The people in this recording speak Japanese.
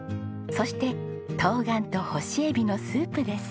そしてトウガンと干しエビのスープです。